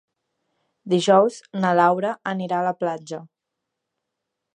Dijous na Laura anirà a la platja.